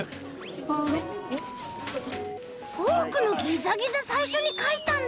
フォークのギザギザさいしょにかいたんだ！